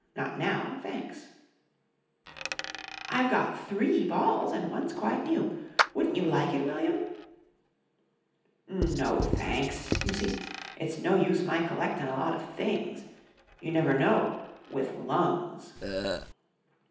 Not now. Thanks." "I've got three balls and one's quite new. Wouldn't you like it, William?" "No thanks. You see, it's no use my collectin' a lot of things. You never know with lungs."